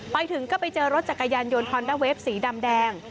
ไปถึงก็ไปเจอรถจักรยานยนต์ฮอนด้าเวฟสีดำแดง